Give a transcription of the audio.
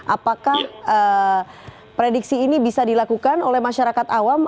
apakah prediksi ini bisa dilakukan oleh masyarakat awam